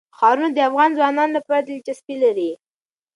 ښارونه د افغان ځوانانو لپاره دلچسپي لري.